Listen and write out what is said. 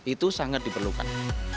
itu sangat diperlukan